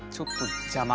邪魔？